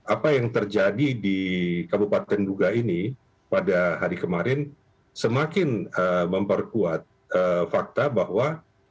apa yang terjadi di kabupaten duga ini pada hari kemarin semakin memperkuat fakta bahwa